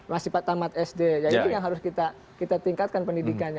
masih pak tamat sd ya ini yang harus kita tingkatkan pendidikannya